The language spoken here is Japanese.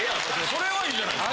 それはいいじゃないですか！